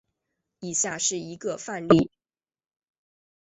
以下是一个范例。